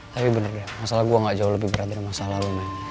tapi bener deh masalah gue gak jauh lebih berat daripada masalah lo bang